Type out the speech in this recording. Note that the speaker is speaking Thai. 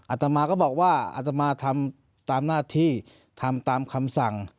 ตมาก็บอกว่าอัตมาทำตามหน้าที่ทำตามคำสั่ง